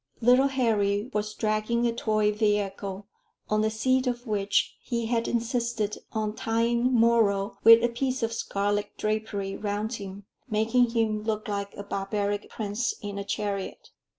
Little Harry was dragging a toy vehicle, on the seat of which he had insisted on tying Moro with a piece of scarlet drapery round him, making him look like a barbaric prince in a chariot.